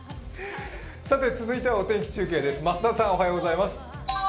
続いてはお天気中継です増田さん。